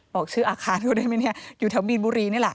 บอกชื่ออาคารเขาได้ไหมเนี่ยอยู่แถวมีนบุรีนี่แหละ